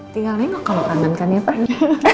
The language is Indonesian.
tinggal nengok kamu kangen kan ya pak